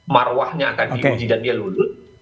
marwahnya akan di uji dan dia lulus